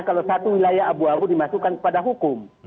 kalau satu wilayah abu abu dimasukkan kepada hukum